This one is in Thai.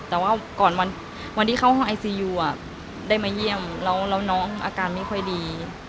แต่ว่าก่อนวันที่เข้าห้องไอซียูได้มาเยี่ยมแล้วน้องอาการไม่ค่อยดี